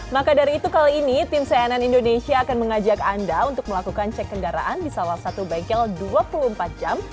maka dari itu kali ini tim cnn indonesia akan mengajak anda untuk melakukan cek kendaraan di salah satu bengkel dua puluh empat jam